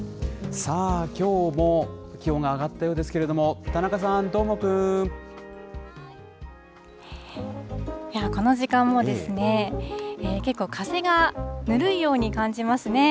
さあ、きょうも気温が上がったようですけれども、田中さん、どーこの時間は結構、風がぬるいように感じますね。